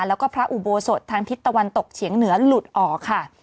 แล้วก็พระอุโบสถทางทิศตะวันตกเฉียงเหนือหลุดออกค่ะ